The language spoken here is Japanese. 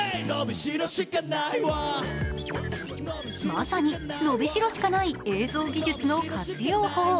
まさに、のびしろしかない映像技術の活用法。